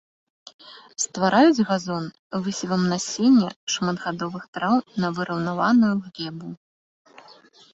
Ствараюць газон высевам насення шматгадовых траў на выраўнаваную глебу.